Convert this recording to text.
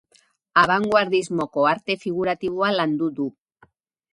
Abangoardismoko arte figuratiboa landu du.